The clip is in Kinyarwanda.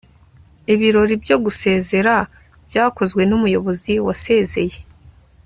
ibirori byo gusezera byakozwe n'umuyobozi wasezeye